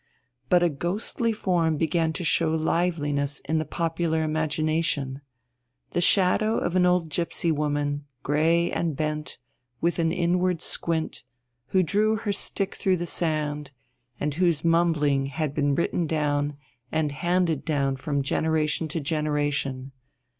But a ghostly form began to show liveliness in the popular imagination: the shadow of an old gipsy woman, grey and bent, with an inward squint, who drew her stick through the sand, and whose mumbling had been written down and handed down from generation to generation....